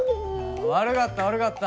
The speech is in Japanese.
悪かった悪かった。